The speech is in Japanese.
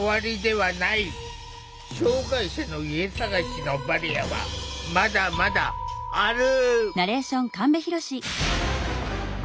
障害者の家探しのバリアはまだまだある！